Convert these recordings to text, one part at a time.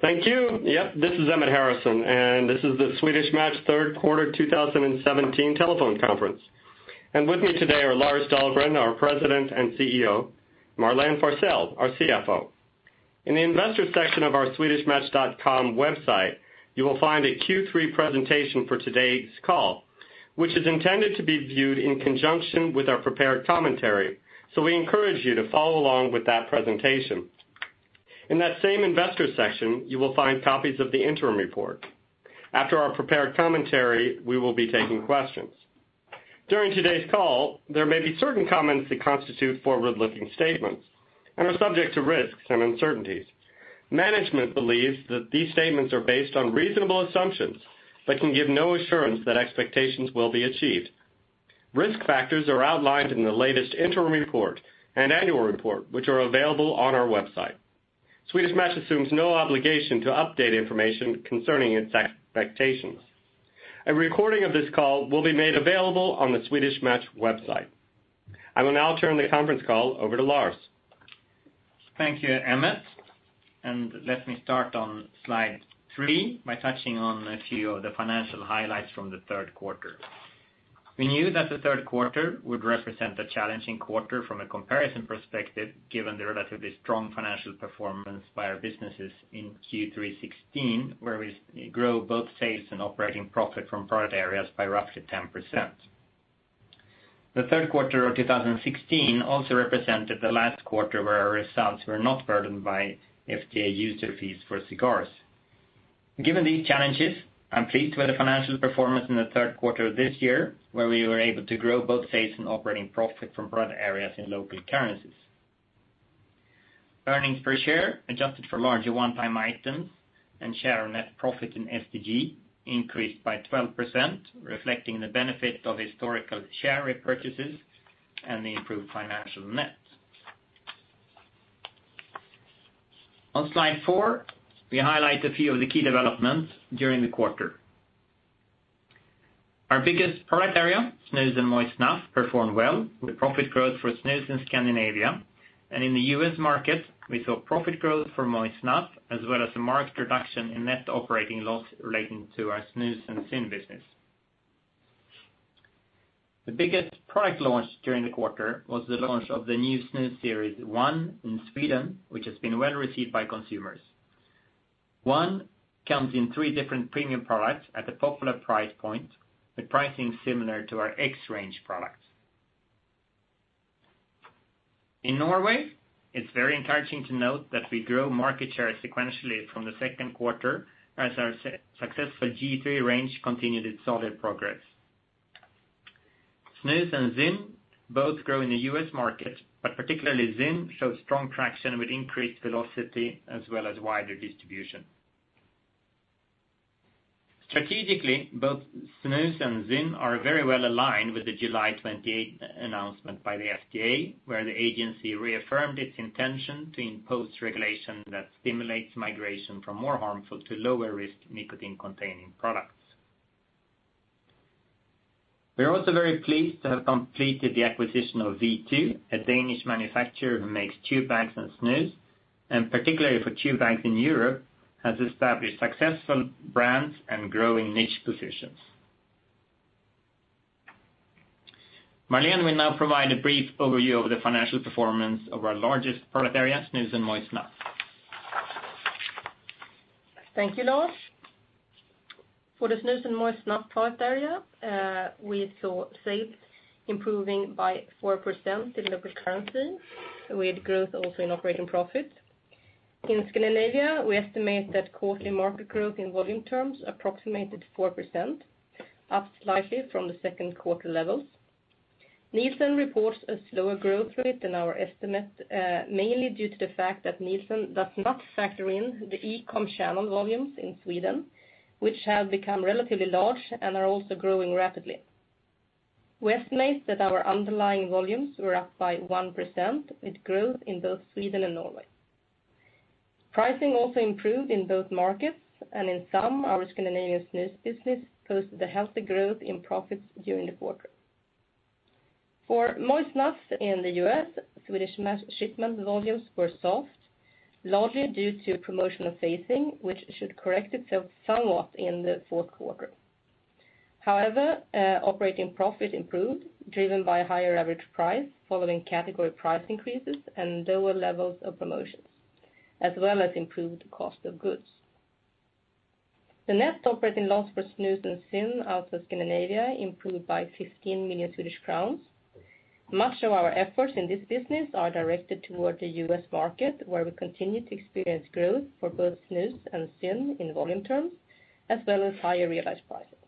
Thank you. Yep. This is Emmett Harrison, and this is the Swedish Match third quarter 2017 telephone conference. With me today are Lars Dahlgren, our President and CEO, Marlene Forssell, our CFO. In the investor section of our swedishmatch.com website, you will find a Q3 presentation for today's call, which is intended to be viewed in conjunction with our prepared commentary. We encourage you to follow along with that presentation. In that same investor section, you will find copies of the interim report. After our prepared commentary, we will be taking questions. During today's call, there may be certain comments that constitute forward-looking statements and are subject to risks and uncertainties. Management believes that these statements are based on reasonable assumptions, but can give no assurance that expectations will be achieved. Risk factors are outlined in the latest interim report and annual report, which are available on our website. Swedish Match assumes no obligation to update information concerning its expectations. A recording of this call will be made available on the Swedish Match website. I will now turn the conference call over to Lars. Thank you, Emmett, and let me start on slide three by touching on a few of the financial highlights from the third quarter. We knew that the third quarter would represent a challenging quarter from a comparison perspective, given the relatively strong financial performance by our businesses in Q3 2016, where we grow both sales and operating profit from product areas by roughly 10%. The third quarter of 2016 also represented the last quarter where our results were not burdened by FDA user fees for cigars. Given these challenges, I'm pleased with the financial performance in the third quarter of this year, where we were able to grow both sales and operating profit from product areas in local currencies. Earnings per share adjusted for larger one-time items and share of net profit in STG increased by 12%, reflecting the benefit of historical share repurchases and the improved financial net. On slide four, we highlight a few of the key developments during the quarter. Our biggest product area, snus and moist snuff, performed well with profit growth for snus in Scandinavia. In the U.S. market, we saw profit growth for moist snuff, as well as a marked reduction in net operating loss relating to our snus and ZYN business. The biggest product launch during the quarter was the launch of the new snus series One in Sweden, which has been well-received by consumers. One comes in three different premium products at a popular price point, with pricing similar to our XRANGE products. In Norway, it's very encouraging to note that we grew market share sequentially from the second quarter as our successful G.3 range continued its solid progress. Snus and ZYN both grow in the U.S. market, but particularly ZYN shows strong traction with increased velocity as well as wider distribution. Strategically, both snus and ZYN are very well aligned with the July 28th announcement by the FDA, where the agency reaffirmed its intention to impose regulation that stimulates migration from more harmful to lower risk nicotine-containing products. We are also very pleased to have completed the acquisition of V2, a Danish manufacturer who makes chew bags and snus, and particularly for chew bags in Europe, has established successful brands and growing niche positions. Marlene will now provide a brief overview of the financial performance of our largest product area, snus and moist snuff. Thank you, Lars. For the snus and moist snuff product area, we saw sales improving by 4% in local currency, with growth also in operating profit. In Scandinavia, we estimate that quarterly market growth in volume terms approximated 4%, up slightly from the second quarter levels. Nielsen reports a slower growth rate than our estimate, mainly due to the fact that Nielsen does not factor in the e-commerce channel volumes in Sweden, which have become relatively large and are also growing rapidly. We estimate that our underlying volumes were up by 1% with growth in both Sweden and Norway. Pricing also improved in both markets, and in sum, our Scandinavian snus business posted a healthy growth in profits during the quarter. For moist snuff in the U.S., Swedish Match shipment volumes were soft, largely due to promotional phasing, which should correct itself somewhat in the fourth quarter. Operating profit improved, driven by a higher average price following category price increases and lower levels of promotions, as well as improved cost of goods. The net operating loss for snus and ZYN out of Scandinavia improved by 15 million Swedish crowns. Much of our efforts in this business are directed toward the U.S. market, where we continue to experience growth for both snus and ZYN in volume terms, as well as higher realized prices.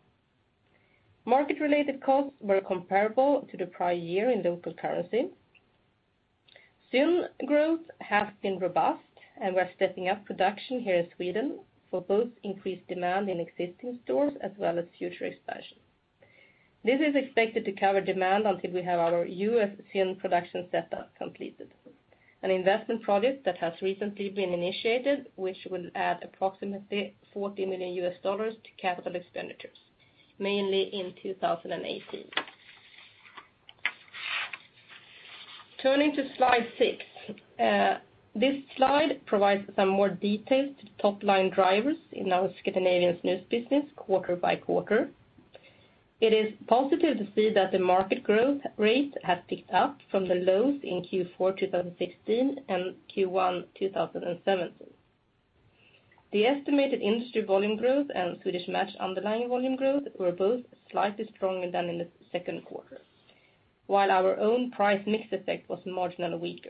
Market-related costs were comparable to the prior year in local currency. ZYN growth has been robust, and we're stepping up production here in Sweden for both increased demand in existing stores as well as future expansion. This is expected to cover demand until we have our U.S. ZYN production setup completed, an investment project that has recently been initiated, which will add approximately $40 million to capital expenditures, mainly in 2018. Turning to slide six. This slide provides some more details to the top-line drivers in our Scandinavian snus business quarter by quarter. It is positive to see that the market growth rate has picked up from the lows in Q4 2016 and Q1 2017. The estimated industry volume growth and Swedish Match underlying volume growth were both slightly stronger than in the second quarter. While our own price mix effect was marginally weaker.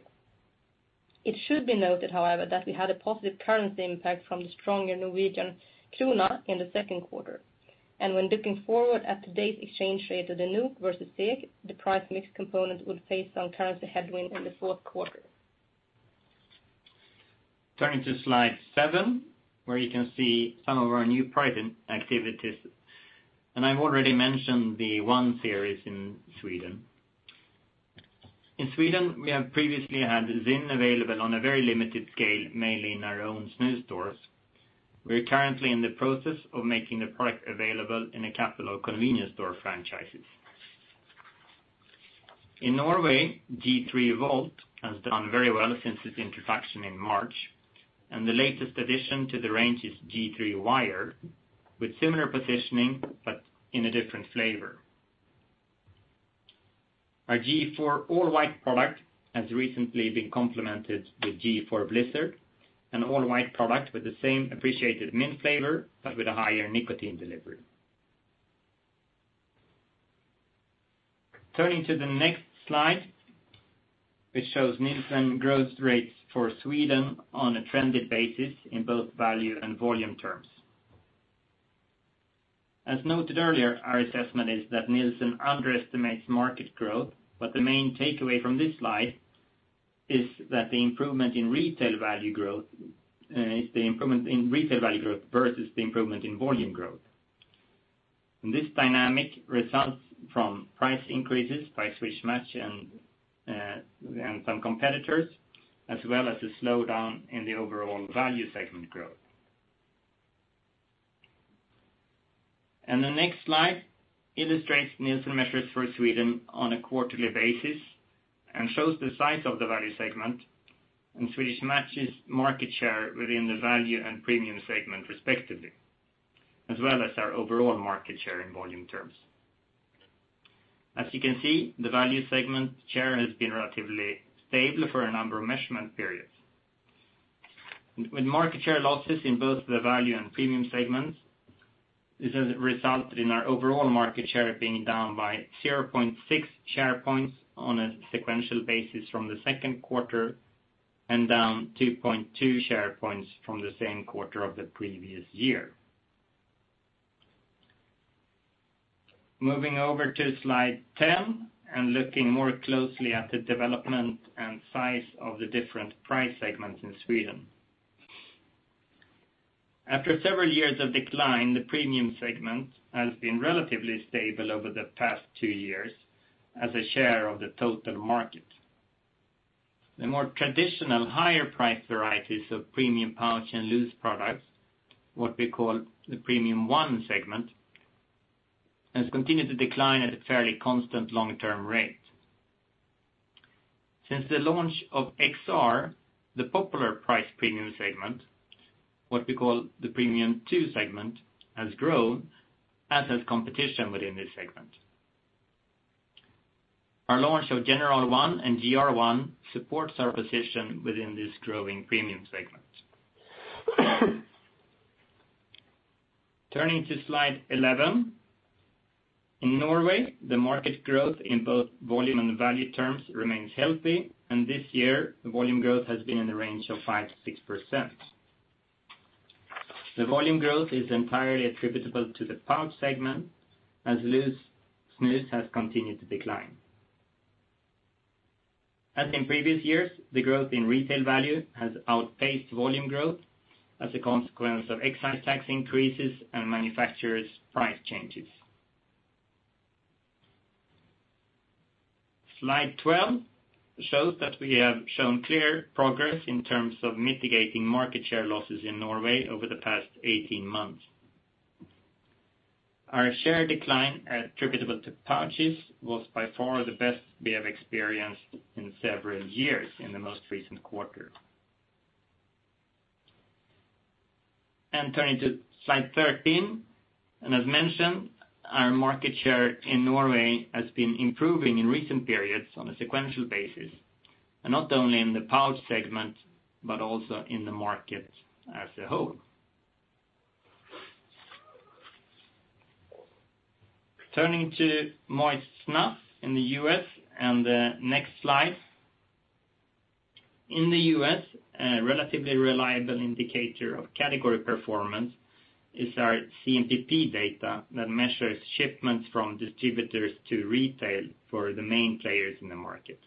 It should be noted, however, that we had a positive currency impact from the stronger Norwegian krona in the second quarter. When looking forward at today's exchange rate of the NOK versus SEK, the price mix component would face some currency headwind in the fourth quarter. Turning to slide seven, where you can see some of our new pricing activities. I have already mentioned the One series in Sweden. In Sweden, we have previously had ZYN available on a very limited scale, mainly in our own snus stores. We are currently in the process of making the product available in a capital convenience store franchises. In Norway, G.3 Volt has done very well since its introduction in March, and the latest addition to the range is G.3 Wire with similar positioning but in a different flavor. Our G.4 all-white product has recently been complemented with G.4 Blizzard, an all-white product with the same appreciated mint flavor but with a higher nicotine delivery. Turning to the next slide, which shows Nielsen growth rates for Sweden on a trended basis in both value and volume terms. As noted earlier, our assessment is that Nielsen underestimates market growth, the main takeaway from this slide is that the improvement in retail value growth versus the improvement in volume growth. This dynamic results from price increases by Swedish Match and some competitors, as well as a slowdown in the overall value segment growth. The next slide illustrates Nielsen measures for Sweden on a quarterly basis and shows the size of the value segment and Swedish Match's market share within the value and premium segment, respectively, as well as our overall market share in volume terms. As you can see, the value segment share has been relatively stable for a number of measurement periods. With market share losses in both the value and premium segments, this has resulted in our overall market share being down by 0.6 share points on a sequential basis from the second quarter and down 2.2 share points from the same quarter of the previous year. Moving over to slide 10 and looking more closely at the development and size of the different price segments in Sweden. After several years of decline, the premium segment has been relatively stable over the past two years as a share of the total market. The more traditional higher price varieties of premium pouch and loose products, what we call the Premium 1 segment, has continued to decline at a fairly constant long-term rate. Since the launch of XR, the popular price premium segment, what we call the Premium 2 segment, has grown as has competition within this segment. Our launch of General One and GR One supports our position within this growing premium segment. Turning to slide 11. In Norway, the market growth in both volume and value terms remains healthy, and this year the volume growth has been in the range of 5%-6%. The volume growth is entirely attributable to the pouch segment, as loose snus has continued to decline. As in previous years, the growth in retail value has outpaced volume growth as a consequence of excise tax increases and manufacturer's price changes. Slide 12 shows that we have shown clear progress in terms of mitigating market share losses in Norway over the past 18 months. Our share decline attributable to pouches was by far the best we have experienced in several years in the most recent quarter. Turning to slide 13. As mentioned, our market share in Norway has been improving in recent periods on a sequential basis, not only in the pouch segment, but also in the market as a whole. Turning to moist snuff in the U.S. and the next slide. In the U.S., a relatively reliable indicator of category performance is our CMPP data that measures shipments from distributors to retail for the main players in the market.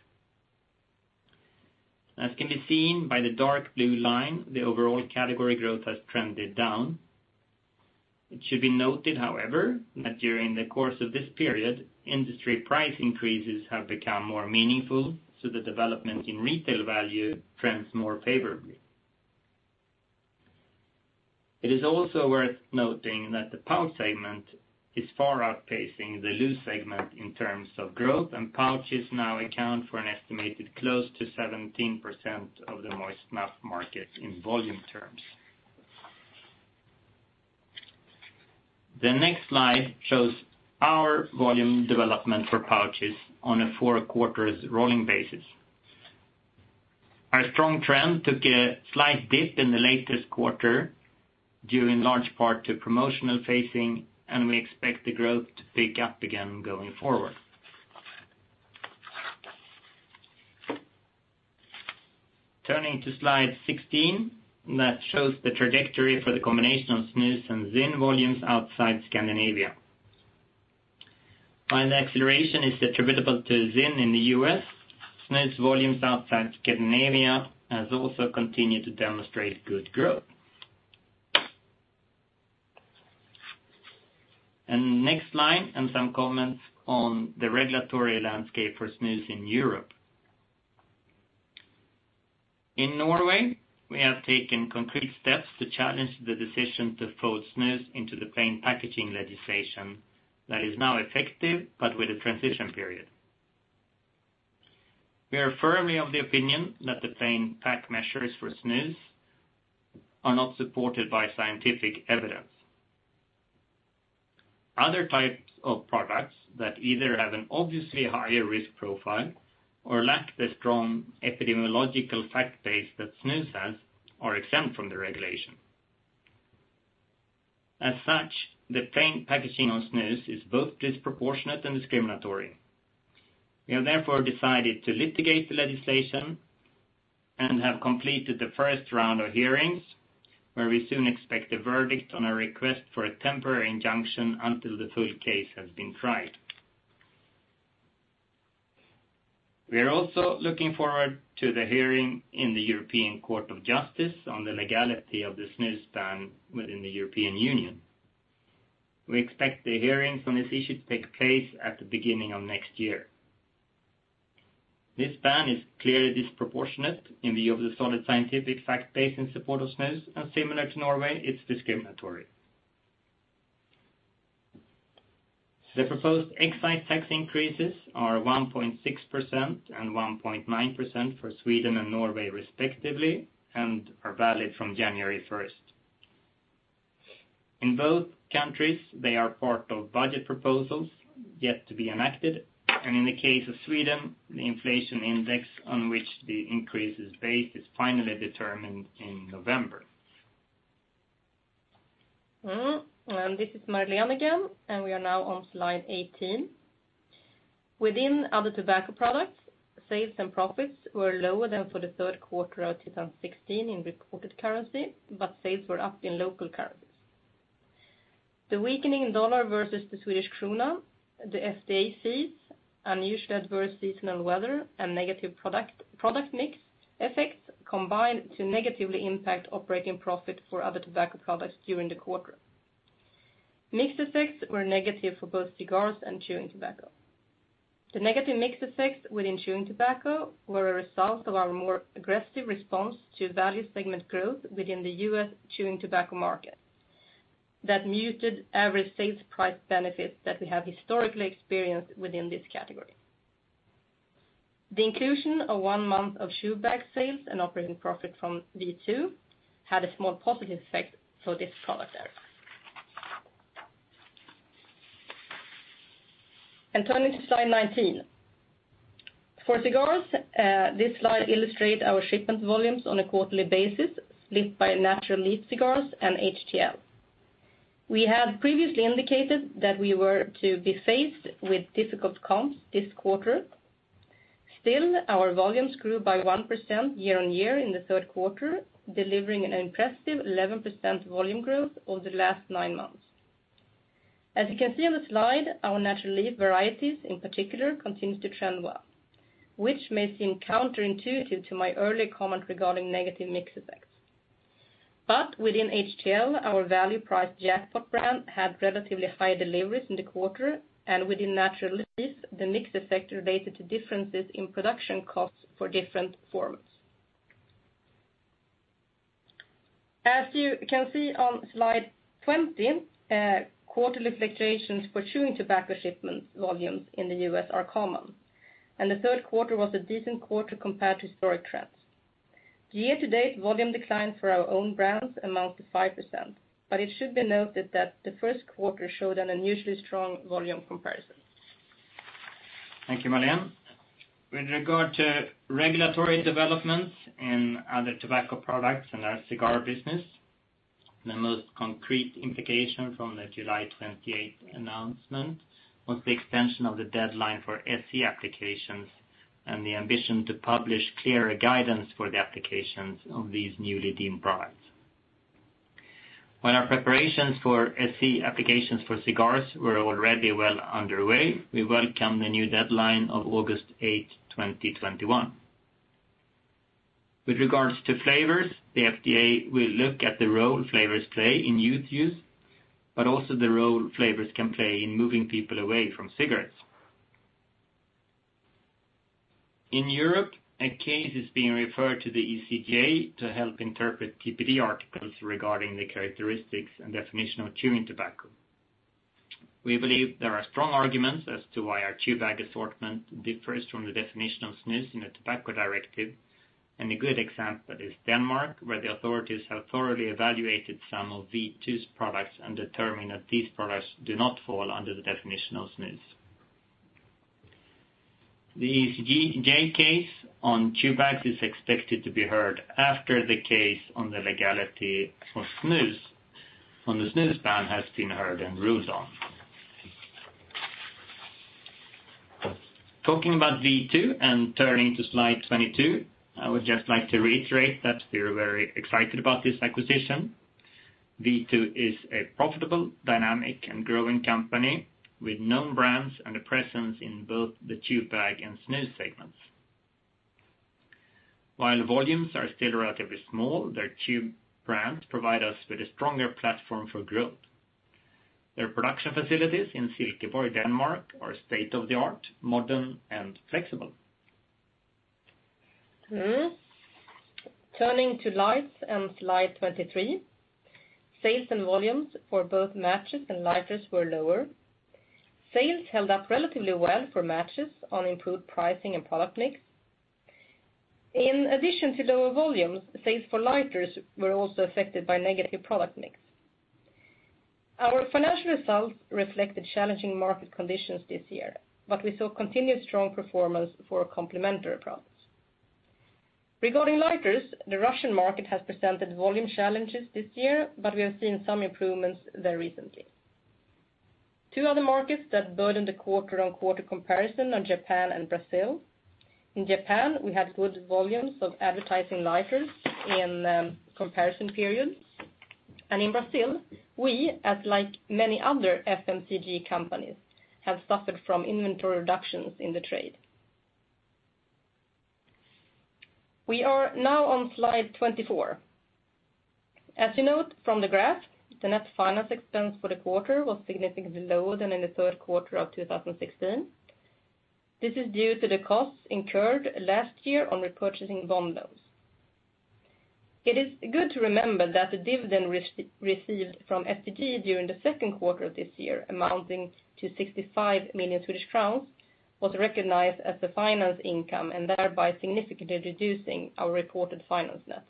As can be seen by the dark blue line, the overall category growth has trended down. It should be noted, however, that during the course of this period, industry price increases have become more meaningful. The development in retail value trends more favorably. It is also worth noting that the pouch segment is far outpacing the loose segment in terms of growth. Pouches now account for an estimated close to 17% of the moist snuff market in volume terms. The next slide shows our volume development for pouches on a 4 quarters rolling basis. Our strong trend took a slight dip in the latest quarter, due in large part to promotional phasing. We expect the growth to pick up again going forward. Turning to slide 16, that shows the trajectory for the combination of snus and ZYN volumes outside Scandinavia. While the acceleration is attributable to ZYN in the U.S., snus volumes outside Scandinavia has also continued to demonstrate good growth. Next slide, some comments on the regulatory landscape for snus in Europe. In Norway, we have taken concrete steps to challenge the decision to fold snus into the plain packaging legislation that is now effective, with a transition period. We are firmly of the opinion that the plain pack measures for snus are not supported by scientific evidence. Other types of products that either have an obviously higher risk profile or lack the strong epidemiological fact base that snus has, are exempt from the regulation. The plain packaging on snus is both disproportionate and discriminatory. We have therefore decided to litigate the legislation and have completed the first round of hearings, where we soon expect a verdict on a request for a temporary injunction until the full case has been tried. We are also looking forward to the hearing in the European Court of Justice on the legality of the snus ban within the European Union. We expect the hearings on this issue to take place at the beginning of next year. This ban is clearly disproportionate in the view of the solid scientific fact base in support of snus. Similar to Norway, it's discriminatory. The proposed excise tax increases are 1.6% and 1.9% for Sweden and Norway respectively, and are valid from January 1st. In both countries, they are part of budget proposals yet to be enacted. In the case of Sweden, the inflation index on which the increase is based is finally determined in November. This is Marlene again. We are now on slide 18. Within other tobacco products, sales and profits were lower than for the third quarter of 2016 in reported currency, but sales were up in local currencies. The weakening dollar versus the Swedish krona, the FDA fees, unusually adverse seasonal weather, and negative product mix effects combined to negatively impact operating profit for other tobacco products during the quarter. Mix effects were negative for both cigars and chewing tobacco. The negative mix effects within chewing tobacco were a result of our more aggressive response to value segment growth within the U.S. chewing tobacco market. That muted average sales price benefit that we have historically experienced within this category. The inclusion of one month of chew bag sales and operating profit from V2 had a small positive effect for this product area. Turning to slide 19. For cigars, this slide illustrates our shipment volumes on a quarterly basis, split by natural leaf cigars and HTL. We had previously indicated that we were to be faced with difficult comps this quarter. Still, our volumes grew by 1% year-over-year in the third quarter, delivering an impressive 11% volume growth over the last nine months. As you can see on the slide, our natural leaf varieties in particular continues to trend well, which may seem counterintuitive to my earlier comment regarding negative mix effects. Within HTL, our value price Jackpot brand had relatively high deliveries in the quarter. Within natural leaf, the mix effect related to differences in production costs for different formats. As you can see on slide 20, quarterly fluctuations for chewing tobacco shipment volumes in the U.S. are common, and the third quarter was a decent quarter compared to historic trends. Year-to-date volume decline for our own brands amounts to 5%. It should be noted that the first quarter showed an unusually strong volume comparison. Thank you, Marlene. With regard to regulatory developments in other tobacco products in our cigar business, the most concrete implication from the July 28th announcement was the extension of the deadline for SE applications and the ambition to publish clearer guidance for the applications of these newly deemed products. While our preparations for SE applications for cigars were already well underway, we welcome the new deadline of August 8th, 2021. With regards to flavors, the FDA will look at the role flavors play in youth use, also the role flavors can play in moving people away from cigarettes. In Europe, a case is being referred to the ECJ to help interpret TPD articles regarding the characteristics and definition of chewing tobacco. We believe there are strong arguments as to why our chew bag assortment differs from the definition of snus in the tobacco directive. A good example is Denmark, where the authorities have thoroughly evaluated some of V2's products and determined that these products do not fall under the definition of snus. The ECJ case on chew bags is expected to be heard after the case on the legality of the snus ban has been heard and ruled on. Talking about V2 and turning to slide 22, I would just like to reiterate that we're very excited about this acquisition. V2 is a profitable, dynamic, and growing company with known brands and a presence in both the chew bag and snus segments. While volumes are still relatively small, their chew brands provide us with a stronger platform for growth. Their production facilities in Silkeborg, Denmark are state-of-the-art, modern, and flexible. Turning to lights and slide 23. Sales and volumes for both matches and lighters were lower. Sales held up relatively well for matches on improved pricing and product mix. In addition to lower volumes, sales for lighters were also affected by negative product mix. Our financial results reflected challenging market conditions this year, but we saw continued strong performance for our complementary products. Regarding lighters, the Russian market has presented volume challenges this year, but we have seen some improvements there recently. Two other markets that burdened the quarter-on-quarter comparison are Japan and Brazil. In Japan, we had good volumes of advertising lighters in comparison periods. In Brazil, we, as like many other FMCG companies, have suffered from inventory reductions in the trade. We are now on slide 24. As you note from the graph, the net finance expense for the quarter was significantly lower than in the third quarter of 2016. This is due to the costs incurred last year on repurchasing bond loans. It is good to remember that the dividend received from STG during the second quarter of this year, amounting to 65 million Swedish crowns, was recognized as the finance income and thereby significantly reducing our reported finance net.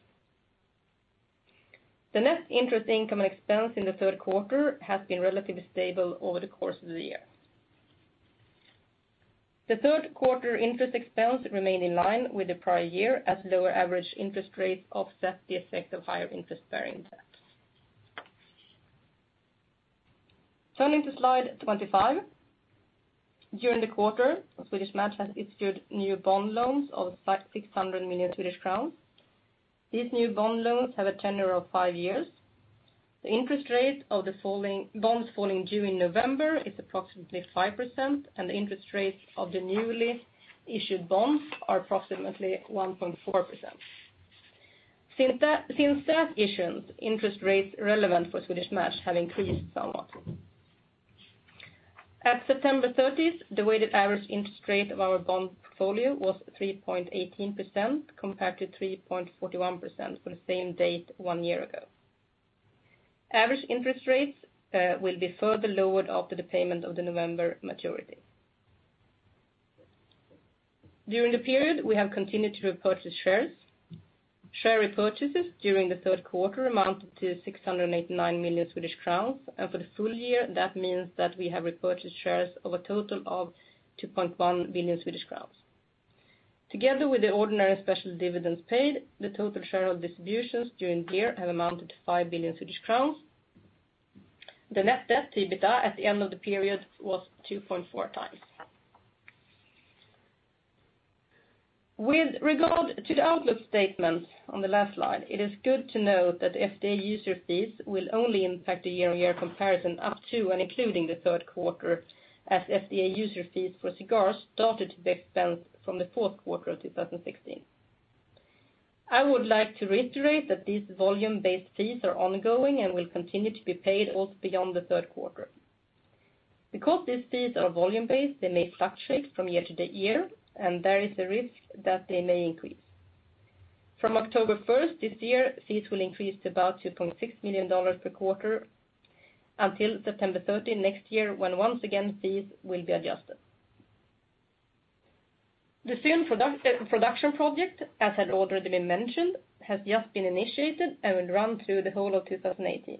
The net interest income expense in the third quarter has been relatively stable over the course of the year. The third quarter interest expense remained in line with the prior year as lower average interest rates offset the effect of higher interest-bearing debt. Turning to slide 25. During the quarter, Swedish Match has issued new bond loans of 600 million Swedish crowns. These new bond loans have a tenure of five years. The interest rate of the bonds falling due in November is approximately 5%, and the interest rates of the newly issued bonds are approximately 1.4%. Since that issuance, interest rates relevant for Swedish Match have increased somewhat. At September 30th, the weighted average interest rate of our bond portfolio was 3.18%, compared to 3.41% for the same date one year ago. Average interest rates will be further lowered after the payment of the November maturity. During the period, we have continued to repurchase shares. Share repurchases during the third quarter amounted to 689 million Swedish crowns, and for the full year, that means that we have repurchased shares of a total of 2.1 billion Swedish crowns. Together with the ordinary special dividends paid, the total share distributions during the year have amounted to 5 billion Swedish crowns. The net debt to EBITDA at the end of the period was 2.4 times. With regard to the outlook statements on the last slide, it is good to note that FDA user fees will only impact the year-on-year comparison up to and including the third quarter as FDA user fees for cigars started to be expensed from the fourth quarter of 2016. I would like to reiterate that these volume-based fees are ongoing and will continue to be paid also beyond the third quarter. Because these fees are volume-based, they may fluctuate from year to year, and there is a risk that they may increase. From October 1st this year, fees will increase to about SEK 2.6 million per quarter until September 30 next year, when once again, fees will be adjusted. The ZYN production project, as had already been mentioned, has just been initiated and will run through the whole of 2018.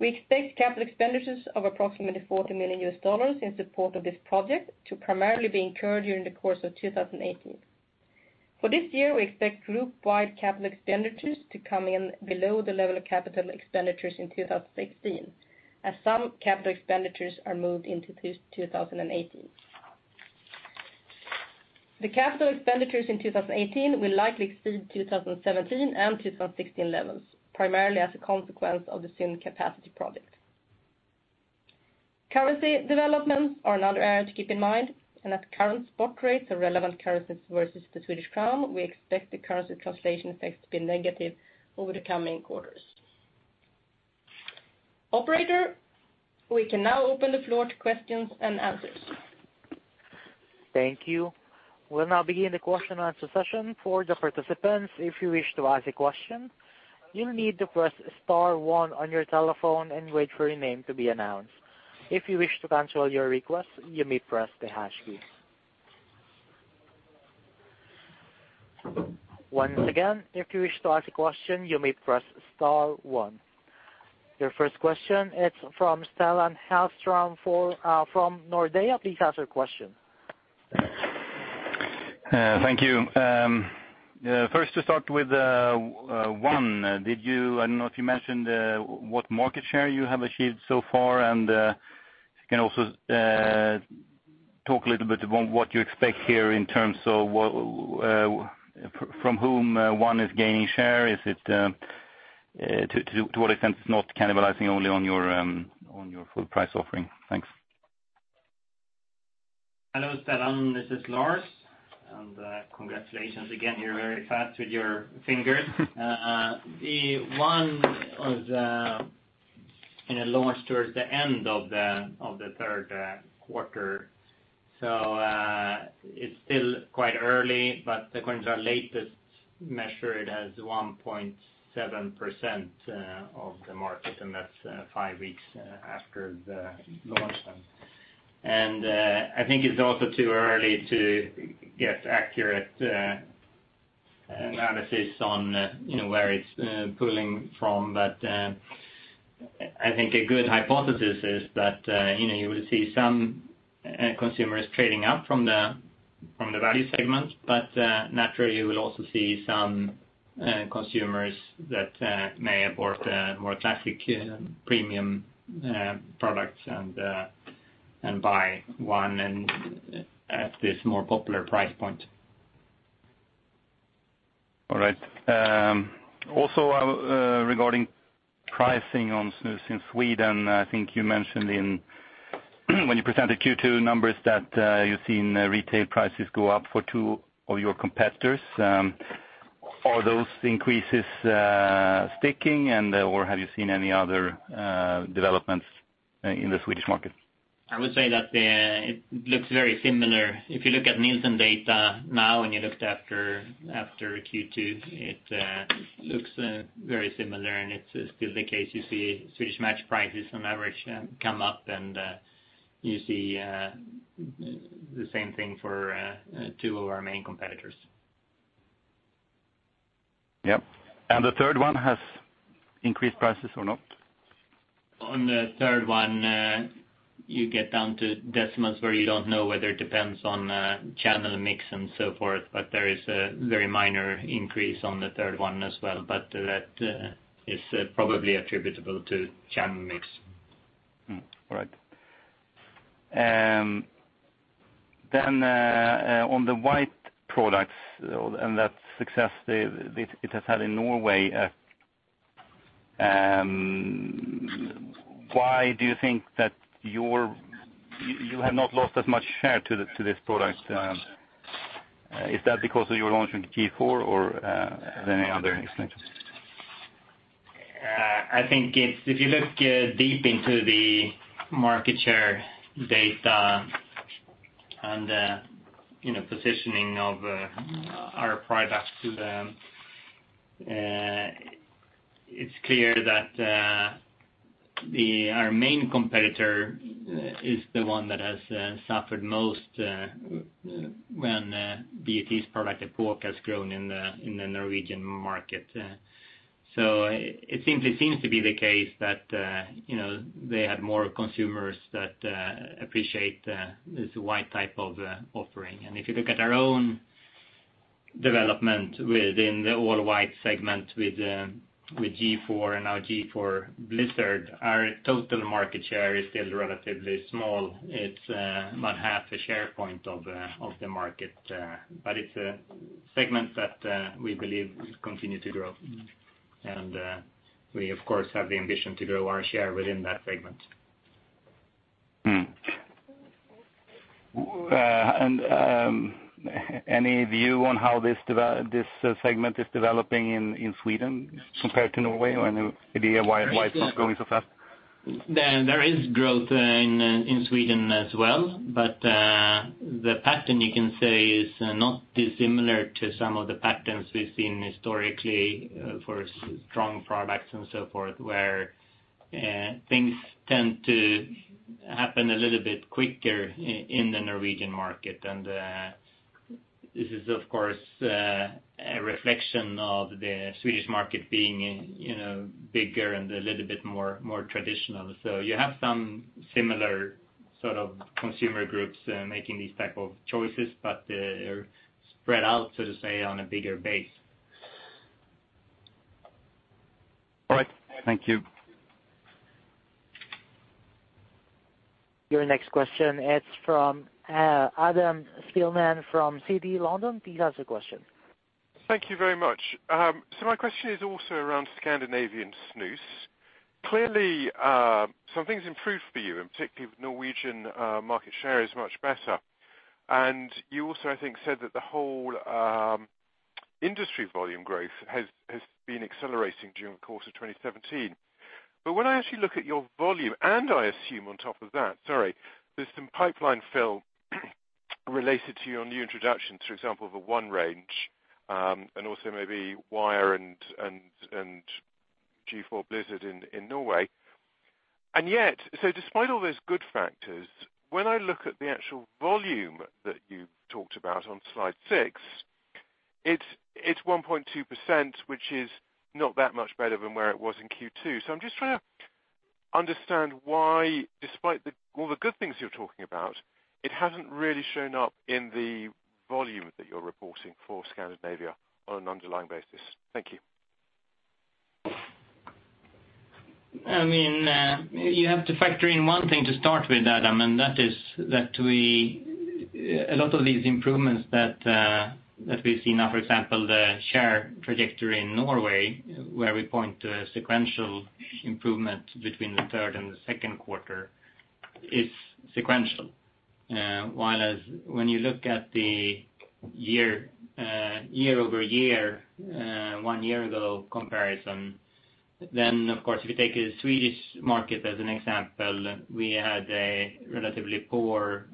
We expect capital expenditures of approximately $40 million U.S. in support of this project to primarily be incurred during the course of 2018. For this year, we expect group-wide capital expenditures to come in below the level of capital expenditures in 2016, as some capital expenditures are moved into 2018. The capital expenditures in 2018 will likely exceed 2017 and 2016 levels, primarily as a consequence of the ZYN capacity project. Currency developments are another area to keep in mind, and at current spot rates of relevant currencies versus the Swedish krona, we expect the currency translation effects to be negative over the coming quarters. Operator, we can now open the floor to questions and answers. Thank you. We will now begin the question and answer session for the participants. If you wish to ask a question, you will need to press star one on your telephone and wait for your name to be announced. If you wish to cancel your request, you may press the hash key. Once again, if you wish to ask a question, you may press star one. Your first question is from Stellan Hafstrom from Nordea. Please ask your question. Thank you. First to start with One, I do not know if you mentioned what market share you have achieved so far and, if you can also talk a little bit about what you expect here in terms of from whom One is gaining share. To what extent it is not cannibalizing only on your full price offering. Thanks. Hello, Stellan. This is Lars. Congratulations again. You're very fast with your fingers. The One was launched towards the end of the third quarter. It's still quite early, but according to our latest measure, it has 1.7% of the market, and that's five weeks after the launch. I think it's also too early to get accurate analysis on where it's pulling from. I think a good hypothesis is that you will see some consumers trading up from the value segment, but naturally you will also see some consumers that may have bought more classic premium products and buy One at this more popular price point. All right. Also regarding pricing on snus in Sweden, I think you mentioned when you presented Q2 numbers that you've seen retail prices go up for two of your competitors. Are those increases sticking or have you seen any other developments in the Swedish market? I would say that it looks very similar. If you look at Nielsen data now and you looked after Q2, it looks very similar and it's still the case. You see Swedish Match prices on average come up and you see the same thing for two of our main competitors. Yep. The third one has increased prices or not? On the third one, you get down to decimals where you don't know whether it depends on channel mix and so forth, there is a very minor increase on the third one as well. That is probably attributable to channel mix. All right. On the white products and that success it has had in Norway, why do you think that you have not lost as much share to this product? Is that because of your launch in Q4 or is there any other explanation? If you look deep into the market share data and the positioning of our products to them, it's clear that our main competitor is the one that has suffered most when BAT's product Ploom has grown in the Norwegian market. It seems to be the case that they had more consumers that appreciate this white type of offering. If you look at our own development within the all white segment with G.4 and now G.4 Blizzard, our total market share is still relatively small. It's about half a share point of the market. It's a segment that we believe will continue to grow. We of course, have the ambition to grow our share within that segment. Any view on how this segment is developing in Sweden compared to Norway? Any idea why it's not growing so fast? There is growth in Sweden as well. The pattern you can say is not dissimilar to some of the patterns we've seen historically for strong products and so forth, where things tend to happen a little bit quicker in the Norwegian market. This is of course, a reflection of the Swedish market being bigger and a little bit more traditional. You have some similar consumer groups making these type of choices, but they're spread out, so to say, on a bigger base. All right. Thank you. Your next question is from Adam Spielman from Citi London. Please ask the question. Thank you very much. My question is also around Scandinavian snus. Clearly, some things improved for you, and particularly with Norwegian market share is much better. You also, I think, said that the whole Industry volume growth has been accelerating during the course of 2017. When I actually look at your volume, and I assume on top of that, sorry, there's some pipeline fill related to your new introductions, for example, the One range, and also maybe G.3 Wire and G.4 Blizzard in Norway. Despite all those good factors, when I look at the actual volume that you talked about on Slide six, it's 1.2%, which is not that much better than where it was in Q2. I'm just trying to understand why, despite all the good things you're talking about, it hasn't really shown up in the volume that you're reporting for Scandinavia on an underlying basis. Thank you. You have to factor in one thing to start with, Adam, that is that a lot of these improvements that we see now, for example, the share trajectory in Norway, where we point to a sequential improvement between the third and the second quarter is sequential. While as when you look at the year-over-year one year ago comparison, then, of course, if you take the Swedish market as an example, we had a relatively poor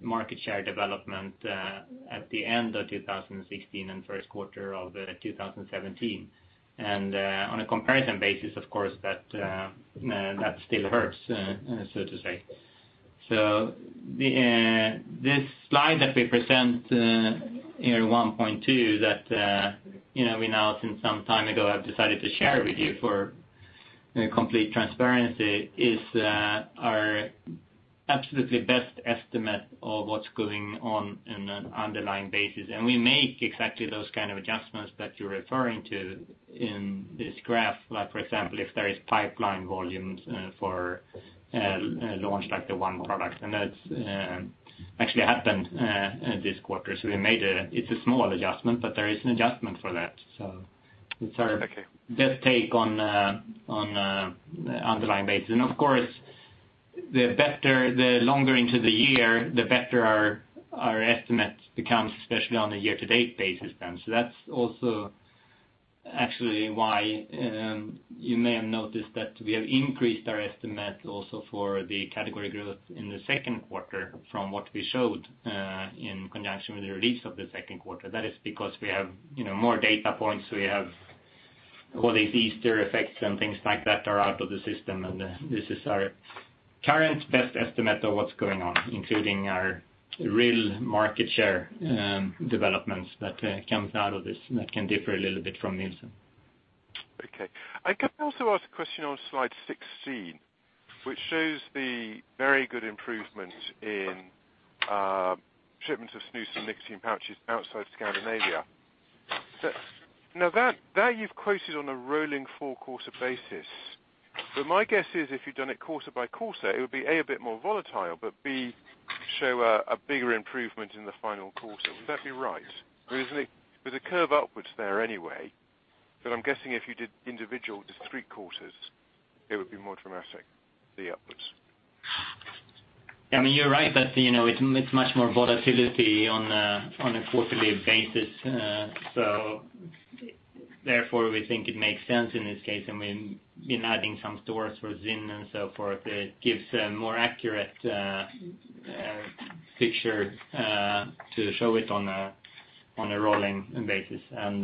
market share development at the end of 2016 and first quarter of 2017. On a comparison basis, of course, that still hurts, so to say. This slide that we present here, 1.2, that we now since some time ago, have decided to share with you for complete transparency is our absolutely best estimate of what's going on in an underlying basis. We make exactly those kind of adjustments that you're referring to in this graph. For example, if there is pipeline volumes for a launch like the One products, that's actually happened this quarter. We made a small adjustment, but there is an adjustment for that. Okay It's our best take on the underlying basis. Of course, the longer into the year, the better our estimates becomes, especially on a year-to-date basis then. That's also actually why you may have noticed that we have increased our estimate also for the category growth in the second quarter from what we showed in conjunction with the release of the second quarter. That is because we have more data points. We have all these Easter effects and things like that are out of the system. This is our current best estimate of what's going on, including our real market share developments that comes out of this and that can differ a little bit from Nielsen. Okay. Can I also ask a question on Slide 16, which shows the very good improvement in shipments of snus and nicotine pouches outside Scandinavia? Now that you've quoted on a rolling four-quarter basis. My guess is if you've done it quarter by quarter, it would be, A, bit more volatile, but B, show a bigger improvement in the final quarter. Would that be right? There's a curve upwards there anyway, but I'm guessing if you did individual just three quarters, it would be more dramatic, the upwards. You're right that it's much more volatility on a quarterly basis. Therefore, we think it makes sense in this case. We've been adding some stores for ZYN and so forth. It gives a more accurate picture to show it on a rolling basis. I'm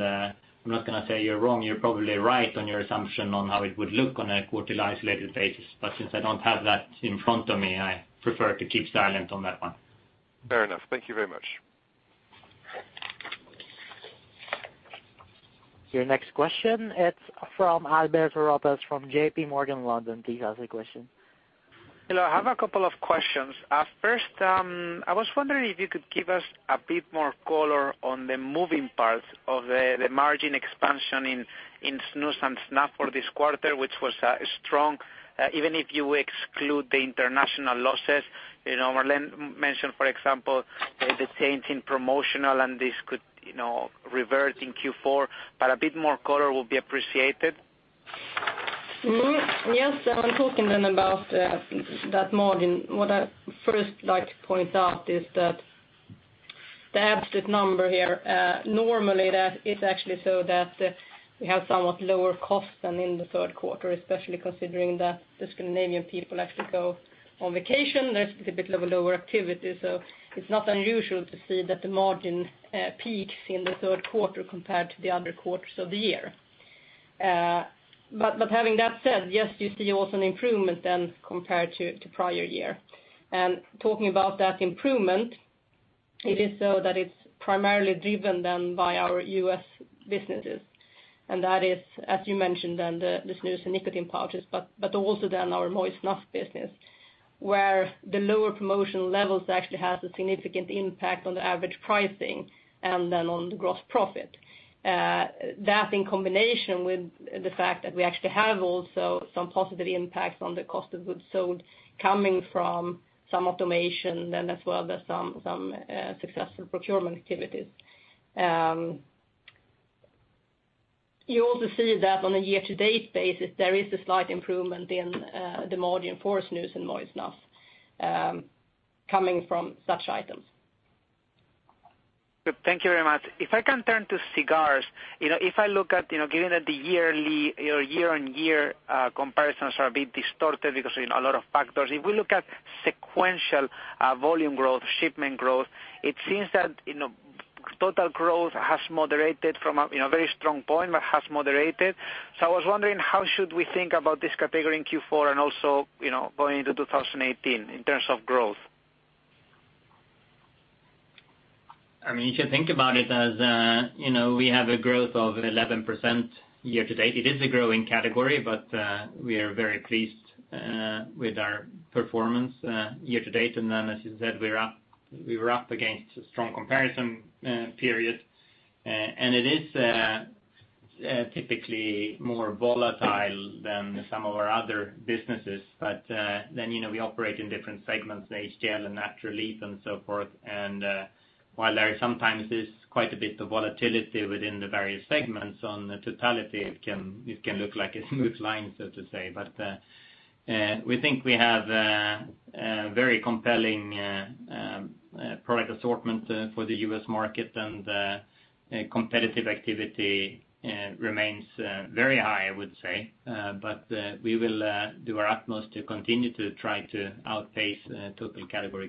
not going to say you're wrong. You're probably right on your assumption on how it would look on a quarterly isolated basis, but since I don't have that in front of me, I prefer to keep silent on that one. Fair enough. Thank you very much. Your next question, it's from Alberto Gallo from JPMorgan, London. Please ask the question. Hello. I have a couple of questions. First, I was wondering if you could give us a bit more color on the moving parts of the margin expansion in snus and snuff for this quarter, which was strong, even if you exclude the international losses. Marlene mentioned, for example, the change in promotional and this could revert in Q4, but a bit more color will be appreciated. Yes. I'm talking then about that margin. What I first like to point out is that the absolute number here, normally that is actually so that we have somewhat lower cost than in the third quarter, especially considering that the Scandinavian people actually go on vacation. There's a bit of a lower activity. It's not unusual to see that the margin peaks in the third quarter compared to the other quarters of the year. Having that said, yes, you see also an improvement then compared to prior year. Talking about that improvement, it is so that it's primarily driven then by our U.S. businesses, and that is, as you mentioned then, the snus and nicotine pouches, but also then our moist snuff business, where the lower promotional levels actually has a significant impact on the average pricing and then on the gross profit. That in combination with the fact that we actually have also some positive impacts on the cost of goods sold coming from some automation and as well there's some successful procurement activities. You also see that on a year-to-date basis, there is a slight improvement in the margin for snus and moist snuff coming from such items. Thank you very much. If I can turn to cigars. Given that the year-on-year comparisons are a bit distorted because of a lot of factors, if we look at sequential volume growth, shipment growth, it seems that total growth has moderated from a very strong point, but has moderated. I was wondering, how should we think about this category in Q4 and also going into 2018 in terms of growth? You should think about it as we have a growth of 11% year to date. It is a growing category, but we are very pleased with our performance year to date. As you said, we were up against a strong comparison period. It is typically more volatile than some of our other businesses. We operate in different segments, HTL and natural leaf and so forth. While there sometimes is quite a bit of volatility within the various segments, on the totality, it can look like a smooth line, so to say. We think we have a very compelling product assortment for the U.S. market, and competitive activity remains very high, I would say. We will do our utmost to continue to try to outpace total category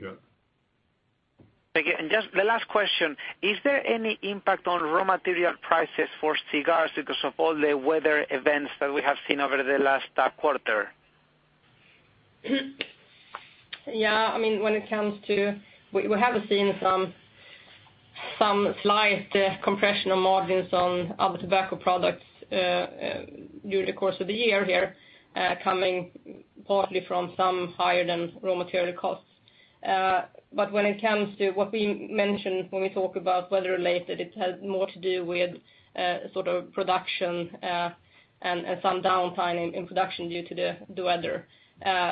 growth. Thank you. Just the last question, is there any impact on raw material prices for cigars because of all the weather events that we have seen over the last quarter? We have seen some slight compression of margins on other tobacco products during the course of the year here, coming partly from some higher than raw material costs. When it comes to what we mentioned when we talk about weather-related, it has more to do with production and some downtime in production due to the weather.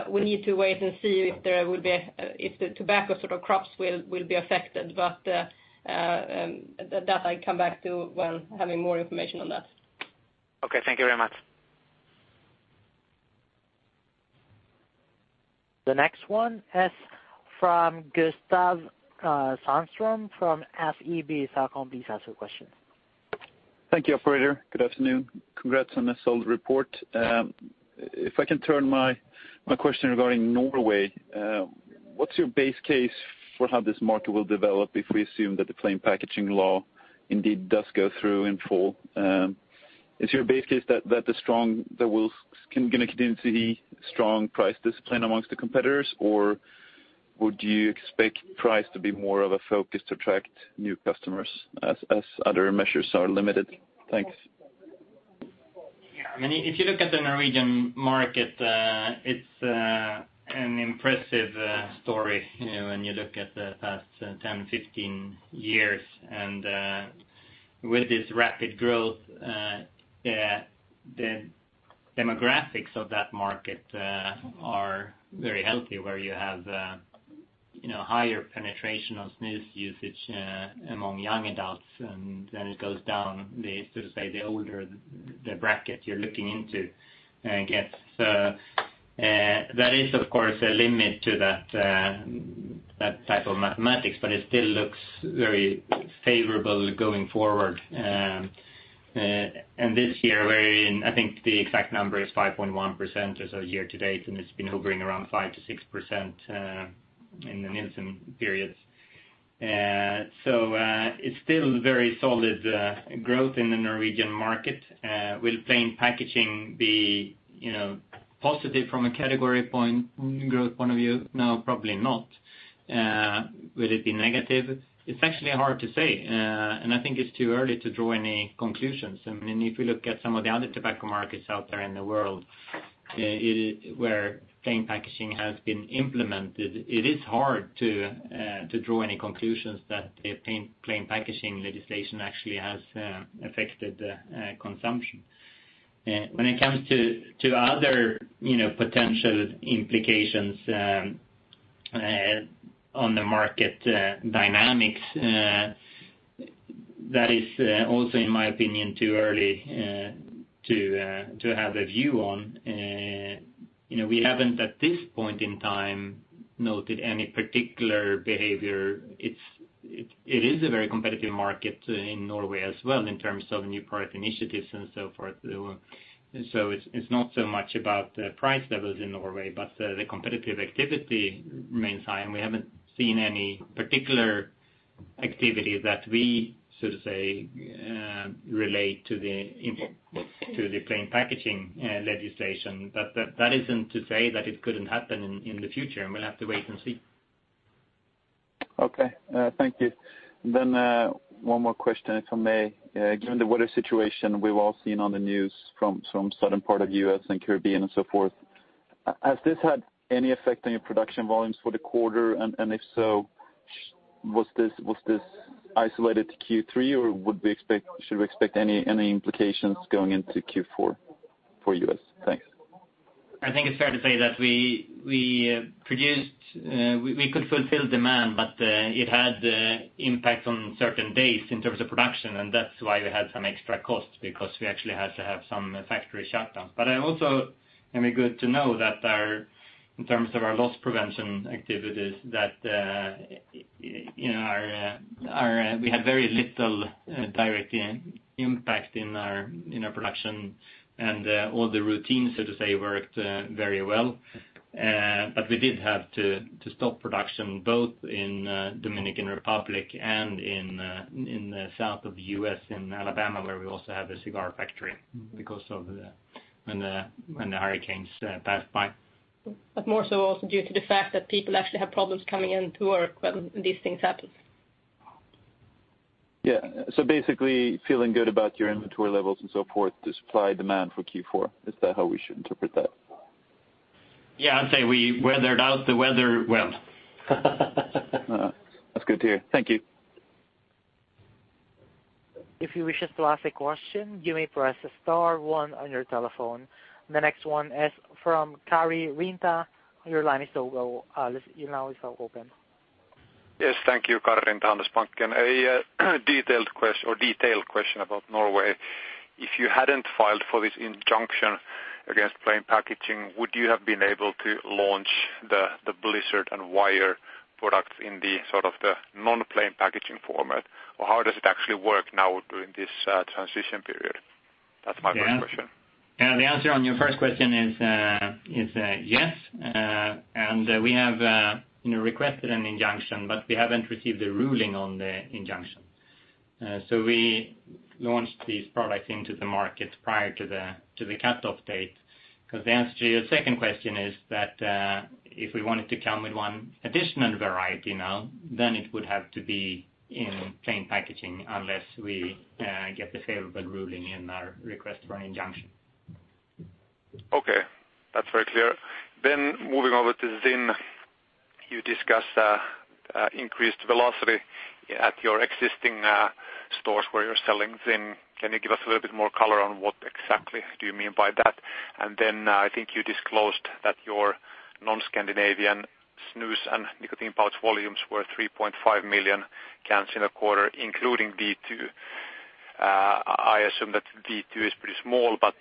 We need to wait and see if the tobacco crops will be affected, but that I come back to when having more information on that. Thank you very much. The next one is from Gustav Sandström from SEB, [Saham Business Questions.] Thank you, operator. Good afternoon. Congrats on a solid report. If I can turn my question regarding Norway, what's your base case for how this market will develop if we assume that the plain packaging law indeed does go through in full? Is your base case that we're going to continue to see strong price discipline amongst the competitors, or would you expect price to be more of a focus to attract new customers as other measures are limited? Thanks. If you look at the Norwegian market, it's an impressive story when you look at the past 10, 15 years. With this rapid growth, the demographics of that market are very healthy, where you have higher penetration of snus usage among young adults, and then it goes down, so to say, the older the bracket you're looking into gets. There is, of course, a limit to that type of mathematics, but it still looks very favorable going forward. This year, we're in, I think, the exact number is 5.1% as of year to date, and it's been hovering around 5%-6% in the Nielsen periods. It's still very solid growth in the Norwegian market. Will plain packaging be positive from a category growth point of view? No, probably not. Will it be negative? It's actually hard to say, and I think it's too early to draw any conclusions. If we look at some of the other tobacco markets out there in the world where plain packaging has been implemented, it is hard to draw any conclusions that the plain packaging legislation actually has affected the consumption. When it comes to other potential implications on the market dynamics, that is also, in my opinion, too early to have a view on. We haven't, at this point in time, noted any particular behavior. It is a very competitive market in Norway as well in terms of new product initiatives and so forth. It's not so much about the price levels in Norway, but the competitive activity remains high, and we haven't seen any particular activity that we should, say, relate to the plain packaging legislation. That isn't to say that it couldn't happen in the future, and we'll have to wait and see. Okay. Thank you. One more question, if I may. Given the weather situation we've all seen on the news from southern part of U.S. and Caribbean and so forth, has this had any effect on your production volumes for the quarter? If so, was this isolated to Q3, or should we expect any implications going into Q4 for U.S.? Thanks. I think it's fair to say that we could fulfill demand, but it had impact on certain days in terms of production, and that's why we had some extra costs, because we actually had to have some factory shutdowns. Also, it's good to know that in terms of our loss prevention activities, that we had very little direct impact in our production. All the routines, so to say, worked very well. We did have to stop production both in Dominican Republic and in the South of U.S., in Alabama, where we also have a cigar factory, because of when the hurricanes passed by. More so also due to the fact that people actually have problems coming in to work when these things happen. Yeah. Basically, feeling good about your inventory levels and so forth, the supply-demand for Q4. Is that how we should interpret that? Yeah, I'd say we weathered out the weather well. That's good to hear. Thank you. If you wish us to ask a question, you may press star one on your telephone. The next one is from Kari Rinta. Your line is open. Yes. Thank you. Kari Rinta, Handelsbanken. A detailed question about Norway. If you hadn't filed for this injunction against plain packaging, would you have been able to launch the Blizzard and Wire products in the non-plain packaging format? Or how does it actually work now during this transition period? That's my first question. Yeah, the answer on your first question is yes. We have requested an injunction, we haven't received a ruling on the injunction. We launched these products into the market prior to the cutoff date, because the answer to your second question is that, if we wanted to come with one additional variety now, it would have to be in plain packaging unless we get the favorable ruling in our request for an injunction. Okay. That's very clear. Moving over to ZYN. You discussed increased velocity at your existing stores where you're selling ZYN. Can you give us a little bit more color on what exactly do you mean by that? I think you disclosed that your non-Scandinavian snus and nicotine pouch volumes were 3.5 million cans in a quarter, including V2. I assume that V2 is pretty small, but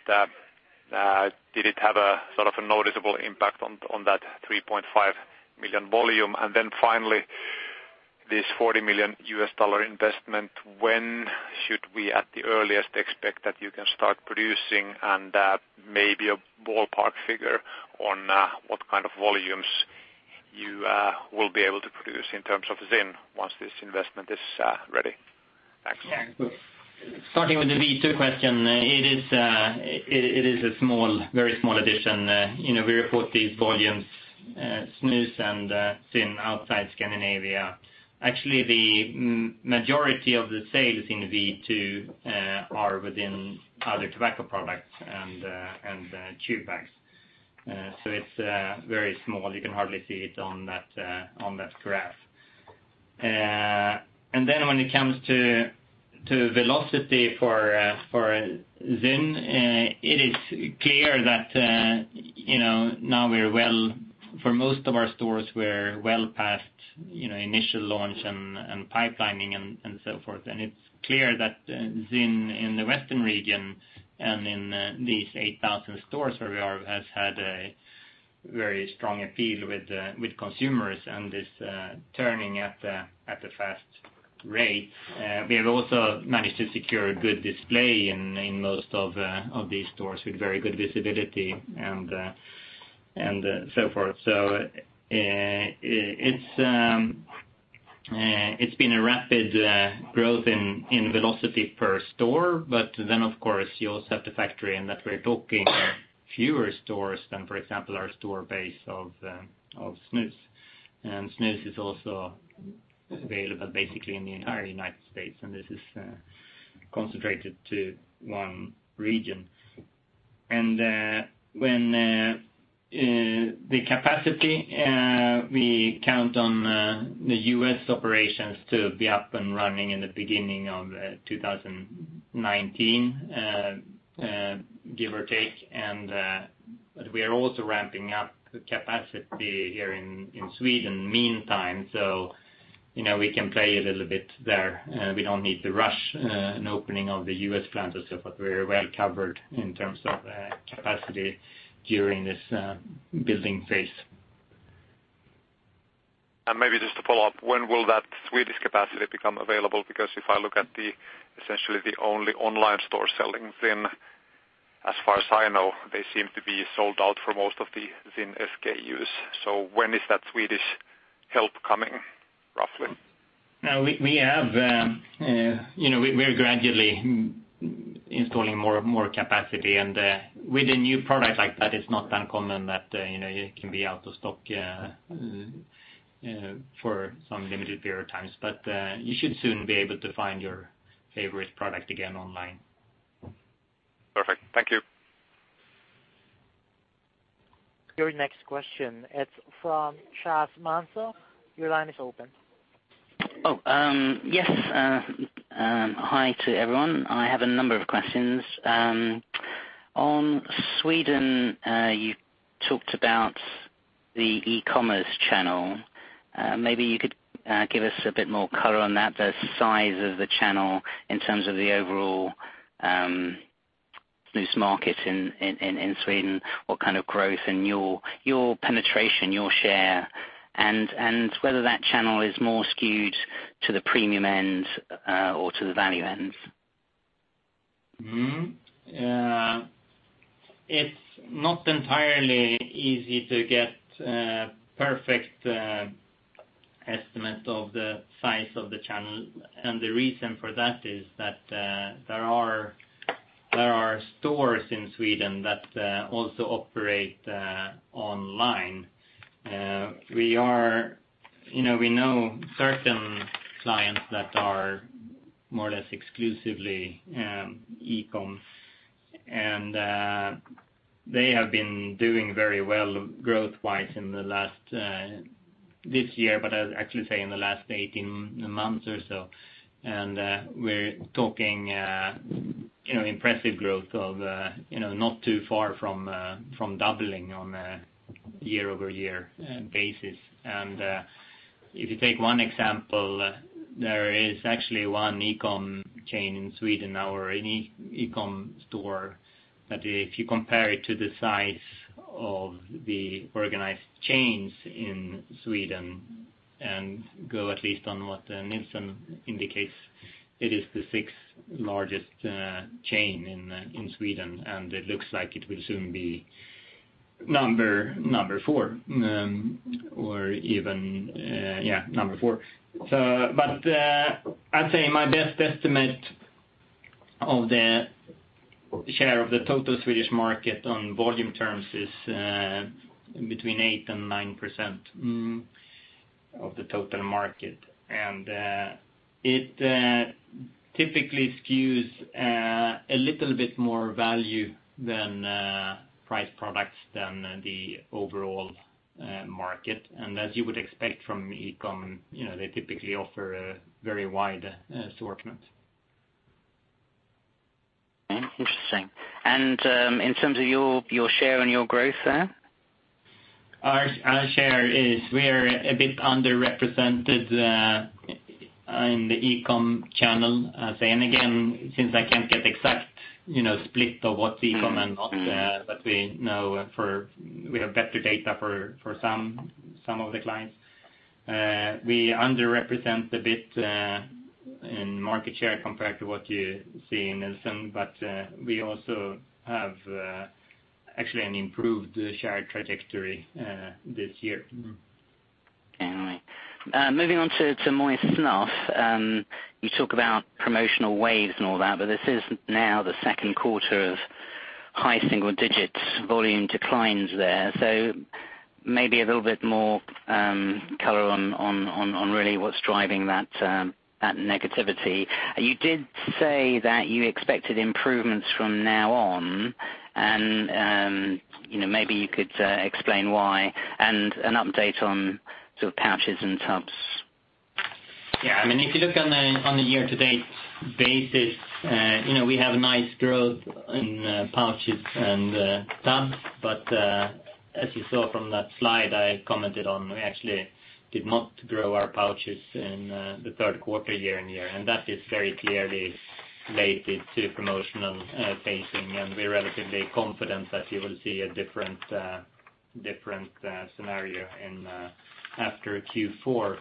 did it have a noticeable impact on that 3.5 million volume? Finally, this $40 million US dollar investment, when should we at the earliest expect that you can start producing? Maybe a ballpark figure on what kind of volumes you will be able to produce in terms of ZYN once this investment is ready. Thanks. Starting with the V2 question, it is a very small addition. We report these volumes, snus and ZYN outside Scandinavia. Actually, the majority of the sales in V2 are within other tobacco products and chew bags. It's very small. You can hardly see it on that graph. When it comes to velocity for ZYN, it is clear that now for most of our stores, we're well past initial launch and pipelining and so forth. It's clear that ZYN in the Western region and in these 8,000 stores where we are, has had a very strong appeal with consumers and is turning at a fast rate. We have also managed to secure a good display in most of these stores with very good visibility and so forth. It's been a rapid growth in velocity per store. You also have the factory and that we're talking fewer stores than, for example, our store base of snus. Snus is also available basically in the entire U.S., and this is concentrated to one region. The capacity, we count on the U.S. operations to be up and running in the beginning of 2019, give or take. We are also ramping up capacity here in Sweden meantime. We can play a little bit there. We don't need to rush an opening of the U.S. plant or so forth. We're well covered in terms of capacity during this building phase. Maybe just to follow up, when will that Swedish capacity become available? Because if I look at essentially the only online store selling ZYN, as far as I know, they seem to be sold out for most of the ZYN SKUs. When is that Swedish help coming, roughly? We're gradually installing more capacity, and with a new product like that, it's not uncommon that it can be out of stock for some limited period of times. You should soon be able to find your favorite product again online. Perfect. Thank you. Your next question, it's from Charles Manson. Your line is open. Oh, yes. Hi to everyone. I have a number of questions. On Sweden, you talked about the e-commerce channel. Maybe you could give us a bit more color on that, the size of the channel in terms of the overall loose market in Sweden, what kind of growth in your penetration, your share, and whether that channel is more skewed to the premium end or to the value end. It's not entirely easy to get a perfect estimate of the size of the channel. The reason for that is that there are stores in Sweden that also operate online. We know certain clients that are more or less exclusively e-commerce. They have been doing very well growth-wise this year, but I would actually say in the last 18 months or so. We're talking impressive growth of not too far from doubling on a year-over-year basis. If you take one example, there is actually one e-commerce chain in Sweden or an e-commerce store, that if you compare it to the size of the organized chains in Sweden and go at least on what Nielsen indicates, it is the sixth largest chain in Sweden, and it looks like it will soon be number four. I'd say my best estimate of the share of the total Swedish market on volume terms is between 8% and 9% of the total market. It typically skews a little bit more value than price products than the overall market. As you would expect from e-commerce, they typically offer a very wide assortment. Okay. Interesting. In terms of your share and your growth there? Our share is we're a bit underrepresented in the e-commerce channel. Since I can't get exact split of what's e-commerce and not, we have better data for some of the clients. We underrepresent a bit in market share compared to what you see in Nielsen, we also have actually an improved share trajectory this year. Okay. Moving on to moist snuff. You talk about promotional waves and all that, this is now the second quarter of high single-digit volume declines there. Maybe a little bit more color on really what's driving that negativity. You did say that you expected improvements from now on, maybe you could explain why, an update on sort of pouches and tubs. Yeah. If you look on the year-to-date basis, we have a nice growth in pouches and tubs. As you saw from that slide I commented on, we actually did not grow our pouches in the third quarter year-on-year. That is very clearly related to promotional pacing, we're relatively confident that you will see a different scenario after Q4.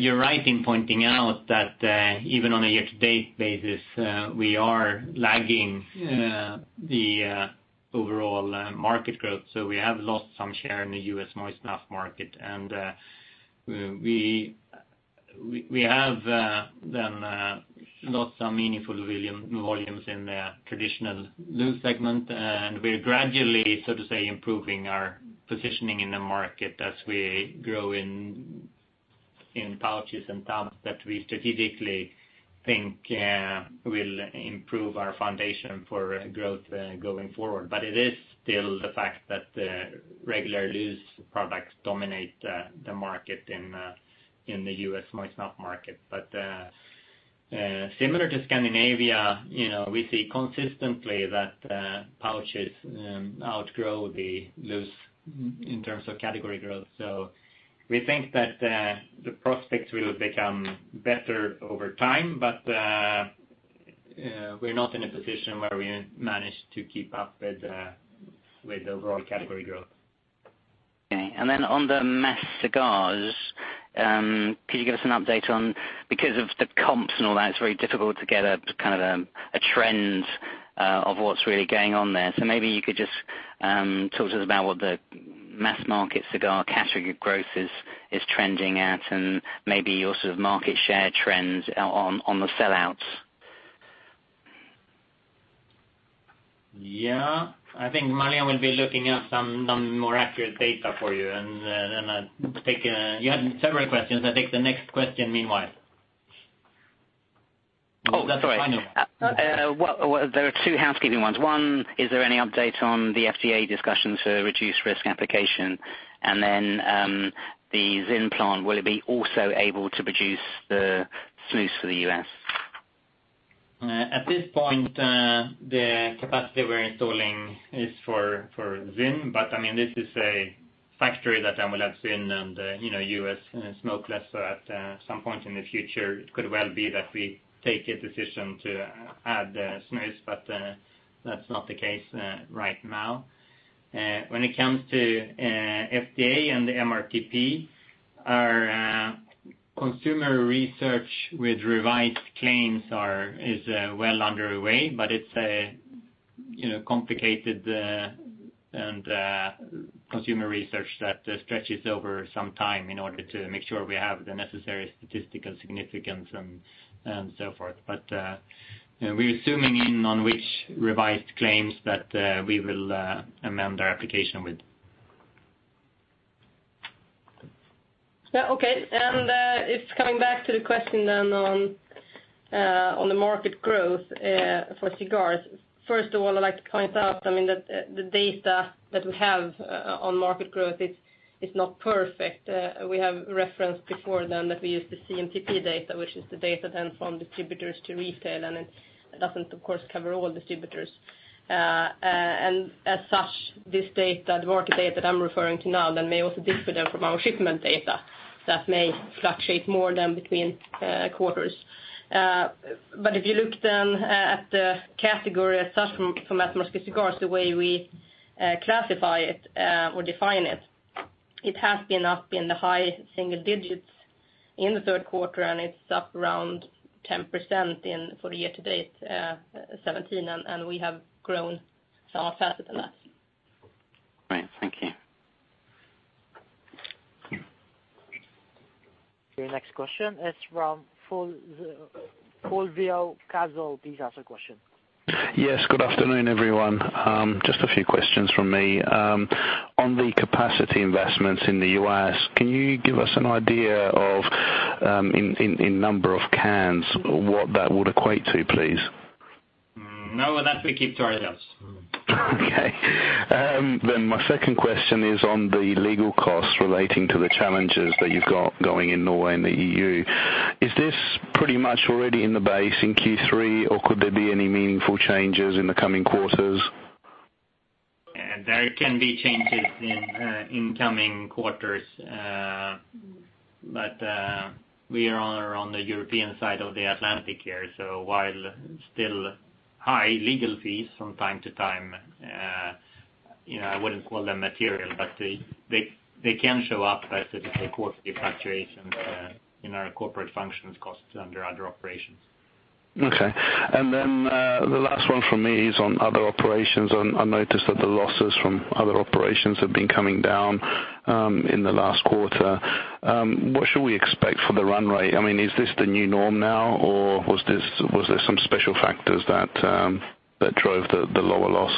You're right in pointing out that even on a year-to-date basis, we are lagging the overall market growth. We have lost some share in the U.S. moist snuff market. We have then lost some meaningful volumes in the traditional loose segment. We're gradually, so to say, improving our positioning in the market as we grow in pouches and tubs that we strategically think will improve our foundation for growth going forward. It is still the fact that the regular loose products dominate the market in the U.S. moist snuff market. Similar to Scandinavia, we see consistently that pouches outgrow the loose in terms of category growth. We think that the prospects will become better over time, but we're not in a position where we manage to keep up with the overall category growth. Okay. On the mass cigars, could you give us an update on, because of the comps and all that, it's very difficult to get a trend of what's really going on there. Maybe you could just talk to us about what the mass market cigar category growth is trending at and maybe your sort of market share trends on the sellouts. I think Marlene will be looking up some more accurate data for you. You had several questions. I'll take the next question meanwhile. Sorry. There are two housekeeping ones. One, is there any update on the FDA discussion to reduce risk application? The ZYN plant, will it be also able to produce the snus for the U.S.? At this point, the capacity we're installing is for ZYN. This is a factory that will have ZYN and US smokeless at some point in the future. It could well be that we take a decision to add snus, but that's not the case right now. When it comes to FDA and the MRTP, our consumer research with revised claims is well underway, but it's complicated and consumer research that stretches over some time in order to make sure we have the necessary statistical significance and so forth. We're zooming in on which revised claims that we will amend our application with. Okay. It's coming back to the question then on the market growth for cigars. First of all, I'd like to point out that the data that we have on market growth is not perfect. We have referenced before then that we use the CMSP data, which is the data then from distributors to retail, and it doesn't, of course, cover all distributors. As such, this data, the market data that I'm referring to now, then may also differ then from our shipment data that may fluctuate more than between quarters. If you look then at the category as such from mass market cigars, the way we classify it or define it has been up in the high single digits in the third quarter, and it's up around 10% for the year to date, 2017, and we have grown somewhat faster than that. Great. Thank you. Okay, next question is from [Paul Rio casual]. Please ask the question. Yes, good afternoon, everyone. Just a few questions from me. On the capacity investments in the U.S., can you give us an idea of, in number of cans, what that would equate to, please? No, that we keep to ourselves. My second question is on the legal costs relating to the challenges that you've got going in Norway and the EU. Is this pretty much already in the base in Q3, or could there be any meaningful changes in the coming quarters? There can be changes in coming quarters. We are on the European side of the Atlantic here, so while still high legal fees from time to time, I wouldn't call them material, but they can show up as a quarterly fluctuation in our corporate functions costs under other operations. Okay. The last one from me is on other operations. I noticed that the losses from other operations have been coming down in the last quarter. What should we expect for the run rate? Is this the new norm now, or was there some special factors that drove the lower loss?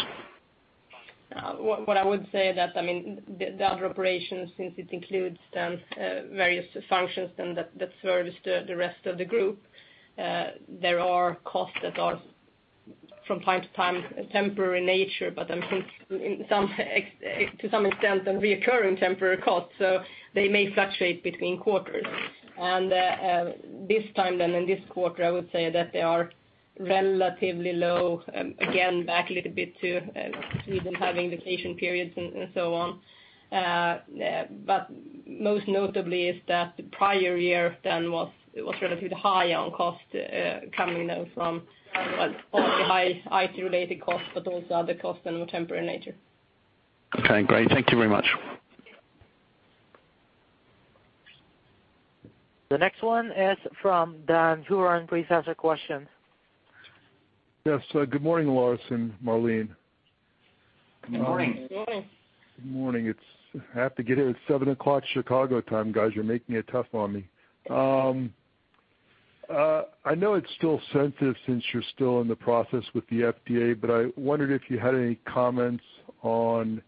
What I would say that the other operations, since it includes various functions then that service the rest of the group, there are costs that are from time to time temporary nature, but I think to some extent, they're reoccurring temporary costs, so they may fluctuate between quarters. This time then in this quarter, I would say that they are relatively low, again, back a little bit to Sweden having vacation periods and so on. Most notably is that the prior year then was relatively high on cost, coming from all the high IT-related costs, but also other costs that were temporary in nature. Okay, great. Thank you very much. The next one is from Dan Hörn. Please ask your question. Yes. Good morning, Lars and Marlene. Good morning. Good morning. Good morning. I have to get in at 7:00 A.M. Chicago time, guys. You're making it tough on me. I know it's still sensitive since you're still in the process with the FDA, but I wondered if you had any comments on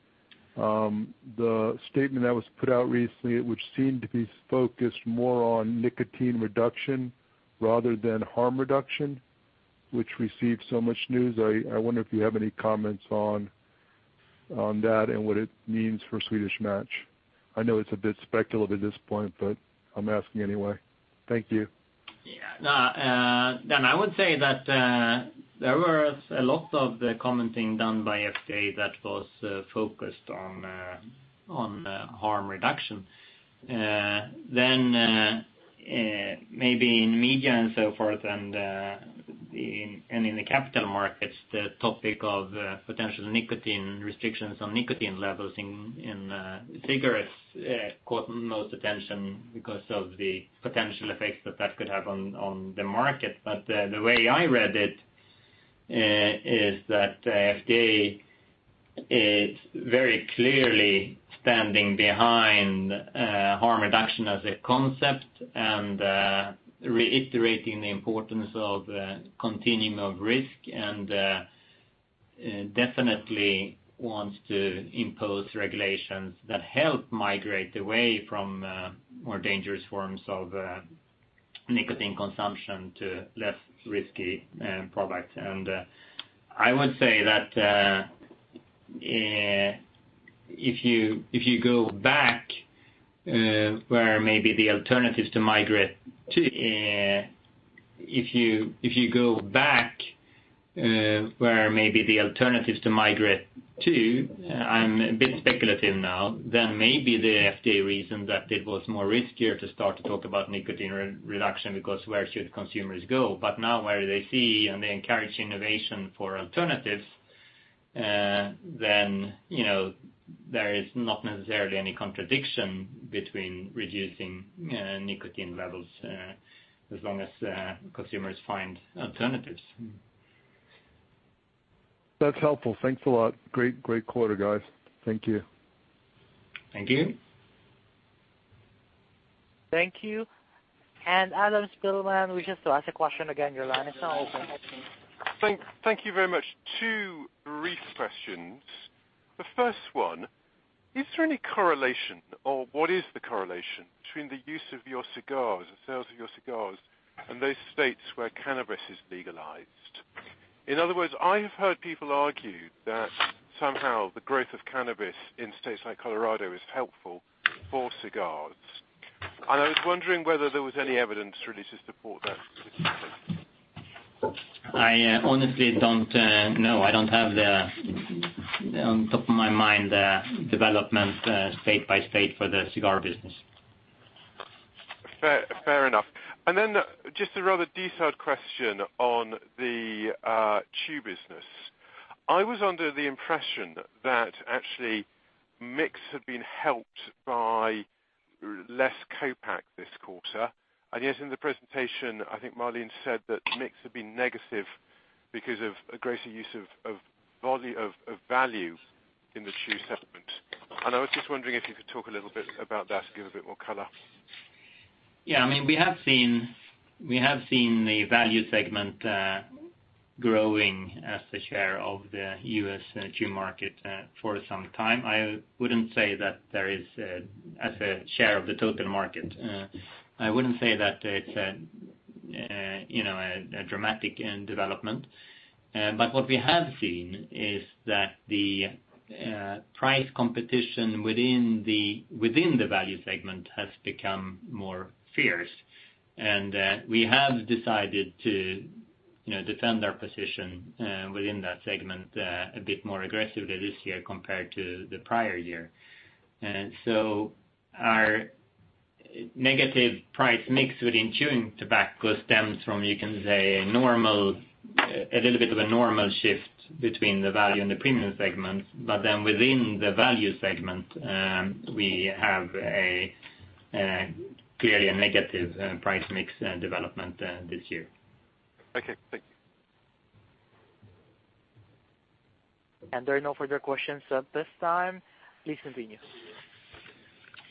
the statement that was put out recently, which seemed to be focused more on nicotine reduction rather than harm reduction, which received so much news. I wonder if you have any comments on that and what it means for Swedish Match. I know it's a bit speculative at this point, but I'm asking anyway. Thank you. Yeah. Dan, I would say that there was a lot of the commenting done by FDA that was focused on harm reduction. Maybe in media and so forth and in the capital markets, the topic of potential nicotine restrictions on nicotine levels in cigarettes caught most attention because of the potential effects that that could have on the market. The way I read it is that FDA is very clearly standing behind harm reduction as a concept and reiterating the importance of continuum of risk and Definitely wants to impose regulations that help migrate away from more dangerous forms of nicotine consumption to less risky products. I would say that if you go back where maybe the alternatives to migrate to, I'm a bit speculative now, maybe the FDA reasoned that it was more riskier to start to talk about nicotine reduction because where should consumers go? Now where they see and they encourage innovation for alternatives, there is not necessarily any contradiction between reducing nicotine levels, as long as consumers find alternatives. That's helpful. Thanks a lot. Great quarter, guys. Thank you. Thank you. Thank you. Adam Spielman, wish just to ask a question again, your line is now open. Thank you very much. Two brief questions. The first one, is there any correlation or what is the correlation between the use of your cigars, the sales of your cigars, and those states where cannabis is legalized? In other words, I have heard people argue that somehow the growth of cannabis in states like Colorado is helpful for cigars. I was wondering whether there was any evidence really to support that specifically. I honestly don't know. I don't have on top of my mind the development state by state for the cigar business. Fair enough. Then just a rather detailed question on the chew business. I was under the impression that actually mix had been helped by less co-pack this quarter, yet in the presentation, I think Marlene said that mix had been negative because of a greater use of value in the chew segment. I was just wondering if you could talk a little bit about that to give a bit more color. We have seen the value segment growing as a share of the U.S. chew market for some time. I wouldn't say that there is, as a share of the total market. I wouldn't say that it's a dramatic development. What we have seen is that the price competition within the value segment has become more fierce. We have decided to defend our position within that segment a bit more aggressively this year compared to the prior year. Our negative price mix within chewing tobacco stems from, you can say, a little bit of a normal shift between the value and the premium segment. Within the value segment, we have clearly a negative price mix development this year. Okay. Thank you. There are no further questions at this time. Please continue.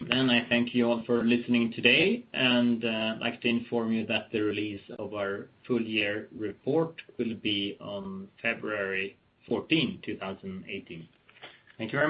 I thank you all for listening today, and I'd like to inform you that the release of our full year report will be on February 14, 2018. Thank you very much.